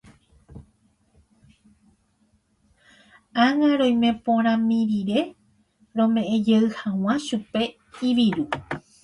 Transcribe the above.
Ág̃a roimeporãmi rire rome'ẽjey hag̃ua chupe iviru.